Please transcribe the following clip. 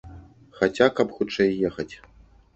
Хаця каб хутчэй ехаць.